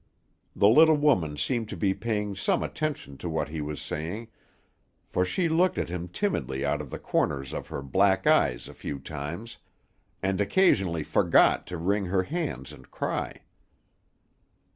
The little woman seemed to be paying some attention to what he was saying, for she looked at him timidly out of the corners of her black eyes a few times, and occasionally forgot to wring her hands and cry.